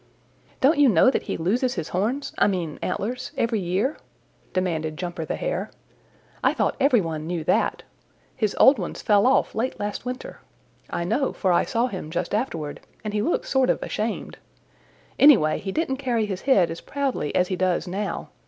"Don't you know that he loses his horns, I mean antlers, every year?" demanded Jumper the Hare. "I thought every one knew that. His old ones fell off late last winter. I know, for I saw him just afterward, and he looked sort of ashamed. Anyway, he didn't carry his head as proudly as he does now.